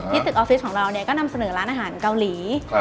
ตึกออฟฟิศของเราก็นำเสนอร้านอาหารเกาหลี